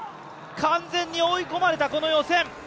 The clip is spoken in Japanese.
完全に追い込まれたこの予選。